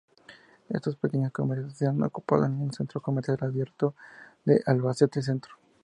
Esos pequeños comercios se han agrupado en un centro comercial abierto Albacete Centro.